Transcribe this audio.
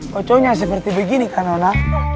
koconya seperti begini kanona